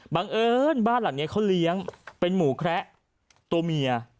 เอิญบ้านหลังนี้เขาเลี้ยงเป็นหมูแคระตัวเมีย